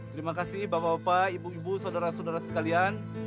terima kasih bapak bapak ibu ibu saudara saudara sekalian